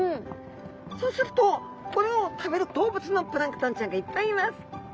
そうするとこれを食べる動物のプランクトンちゃんがいっぱいいます。